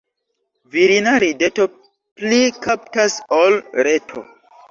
Virina rideto pli kaptas ol reto.